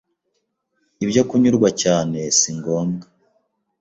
ibyo kunyurwa cyane, singombwa